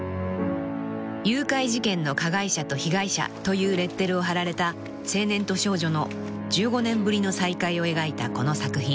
［誘拐事件の加害者と被害者というレッテルを貼られた青年と少女の１５年ぶりの再会を描いたこの作品］